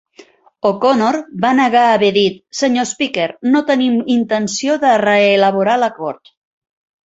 O'Connor va negar haver dit "Sr. Speaker, no tenim intenció de reelaborar l'acord".